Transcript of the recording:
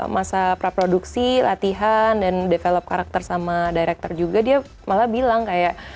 masa praproduksi latihan dan develop karakter sama director juga dia malah bilang kayak